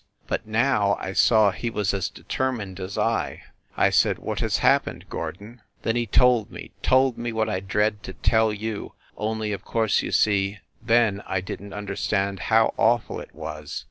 But now I saw he was as determined as I. I said, "What has happened, Gordon?" Then he told me told me what I dread to tell you only, of course, you see, then I didn t under stand how awful it was.